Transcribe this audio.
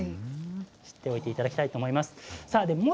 知っておいていただきたいと思います。